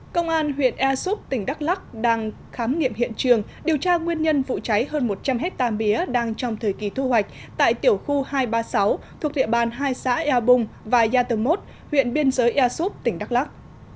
công an huyện ea súp tỉnh đắk lắc đang khám nghiệm hiện trường điều tra nguyên nhân vụ cháy hơn một trăm linh hectare mía đang trong thời kỳ thu hoạch tại tiểu khu hai trăm ba mươi sáu thuộc địa bàn hai xã ea bung và yatomot huyện biên giới ea súp tỉnh đắk lắc